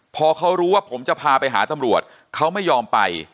พอเขารู้ว่าผมจะพาไปหาตำรวจเขาไม่ยอมไป